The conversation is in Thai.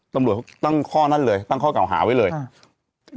ตำรวจเขาตั้งข้อนั้นเลยตั้งข้อเก่าหาไว้เลยครับ